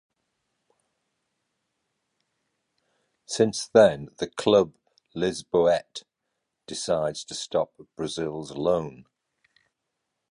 Since then, the club lisboète decides to stop Brazil;s loan.